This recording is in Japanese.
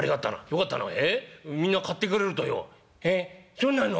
そうなの？